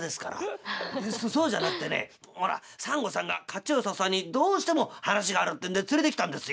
そうじゃなくてねほらサンゴさんが褐虫藻さんにどうしても話があるってんで連れてきたんですよ。